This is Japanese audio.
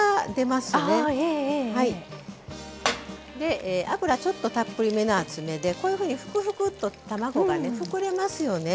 で油ちょっとたっぷりめのあつめでこういうふうにふくふくっと卵がね膨れますよね。